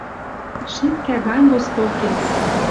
Шипкӓ гань Востокем.